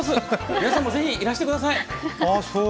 皆さんもぜひ、いらしてください。